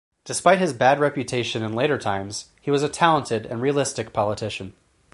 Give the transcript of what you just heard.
Despite his bad reputation in later times, he was a talented and realistic politician.